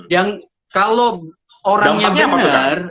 yang kalau orangnya benar